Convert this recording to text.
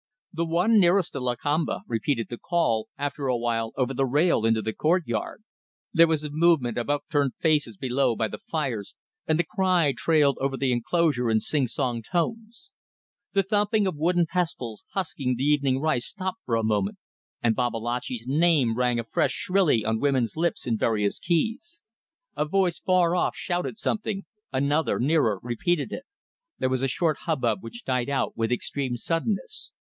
The one nearest to Lakamba repeated the call, after a while, over the rail into the courtyard. There was a movement of upturned faces below by the fires, and the cry trailed over the enclosure in sing song tones. The thumping of wooden pestles husking the evening rice stopped for a moment and Babalatchi's name rang afresh shrilly on women's lips in various keys. A voice far off shouted something another, nearer, repeated it; there was a short hubbub which died out with extreme suddenness.